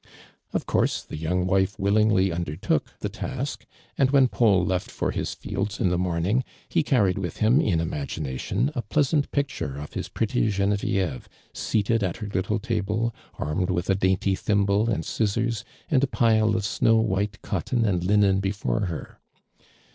Of course the yomig wife willingly under took the task, and when I'aul left for his tields in the morning, he carried with him in imagination a jjleasant picture of his pretty Genevieve seated at her little table, armed with a dainty thimble and scissors, and a pile of snow white cotton and linen before her.